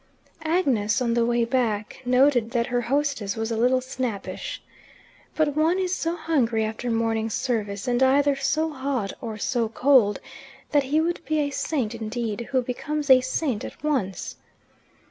Agnes, on the way back, noted that her hostess was a little snappish. But one is so hungry after morning service, and either so hot or so cold, that he would be a saint indeed who becomes a saint at once.